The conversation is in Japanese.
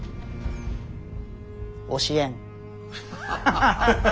教えん。